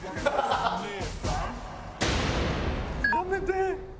やめて！